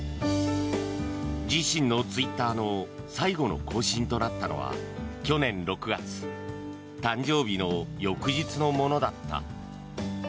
自身のツイッターの最後の更新となったのは去年６月誕生日の翌日のものだった。